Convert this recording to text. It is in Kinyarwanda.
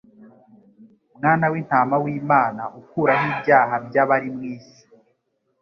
Mwana w'intama w'Imana ukuraho ibyaha by'abari mu isi."